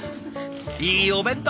いいお弁当！